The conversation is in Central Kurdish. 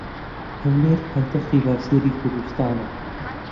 ھەولێر پایتەختی باشووری کوردستانە.